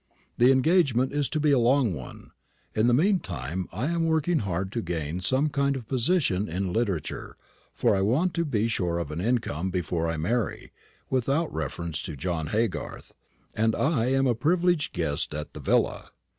The engagement is to be a long one. In the mean time I am working hard to gain some kind of position in literature, for I want to be sure of an income before I marry, without reference to John Haygarth; and I am a privileged guest at the villa."